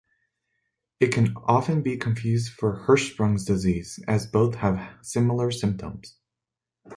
It can often be confused for Hirschsprung's disease, as both have similar symptoms.